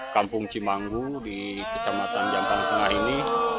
kampung cimanggu di kecamatan jampang tengah ini